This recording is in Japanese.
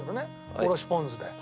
おろしポン酢で。